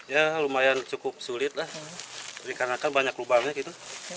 ya lumayan cukup sulit lah dikarenakan banyak lubangnya gitu